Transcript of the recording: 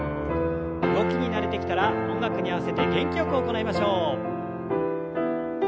動きに慣れてきたら音楽に合わせて元気よく行いましょう。